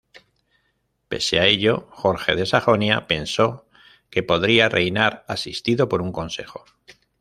Pese a ello, Jorge de Sajonia pensó que podría reinar asistido por un consejo.